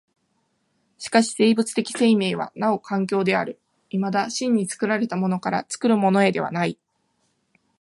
しかし生物的生命はなお環境的である、いまだ真に作られたものから作るものへではない。